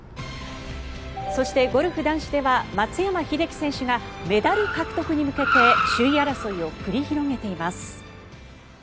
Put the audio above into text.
そして、ゴルフ男子では松山英樹選手がメダル獲得に向けて首位争いを繰り広げています。